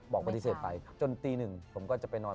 ปฏิเสธไปจนตีหนึ่งผมก็จะไปนอน